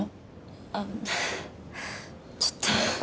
あっちょっと。